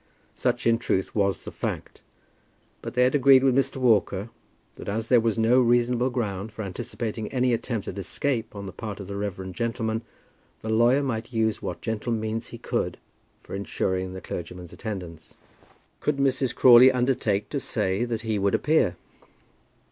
Such in truth was the fact, but they had agreed with Mr. Walker, that as there was no reasonable ground for anticipating any attempt at escape on the part of the reverend gentleman, the lawyer might use what gentle means he could for ensuring the clergyman's attendance. Could Mrs. Crawley undertake to say that he would appear?